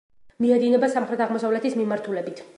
მიედინება სამხრეთ-აღმოსავლეთის მიმართულებით.